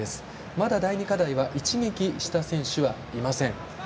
まだ第２課題は一撃した選手はいません。